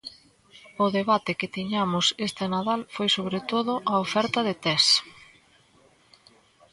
O debate que tiñamos este Nadal foi, sobre todo, a oferta de tests.